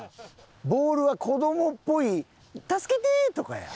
ボールは子どもっぽい「助けて！」とかや。